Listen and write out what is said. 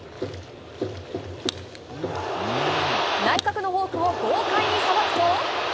内角のフォークを豪快にさばくと。